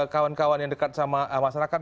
kawan kawan yang dekat sama masyarakat